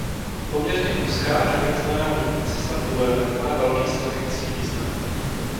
Poměrně úzká a frekventovaná vodní cesta průlivem má velký strategický význam.